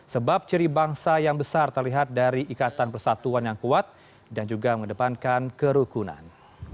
sebab ciri bangsa yang besar terlihat dari ikatan persatuan yang kuat dan juga mengedepankan kerukunan